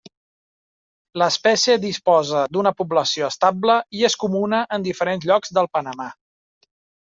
L'espècie disposa d'una població estable i és comuna en diferents llocs del Panamà.